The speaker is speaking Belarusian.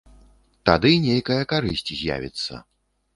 Тады нейкая карысць з'явіцца.